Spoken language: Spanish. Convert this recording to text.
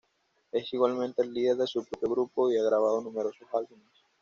Es igualmente el líder de su propio grupo y ha grabado numerosos álbumes.